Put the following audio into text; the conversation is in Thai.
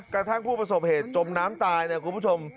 กระทั่งผู้ประสบเหตุจมน้ำตายเนี่ยคุณผู้ชม